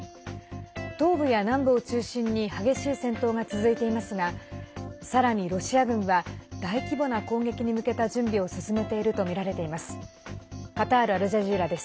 東部や南部を中心に激しい戦闘が続いていますがさらにロシア軍は大規模な攻撃に向けた準備を進めているとみられています。